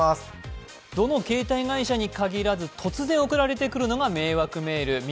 どの携帯会社に限らず突然送られてくるのが迷惑メール。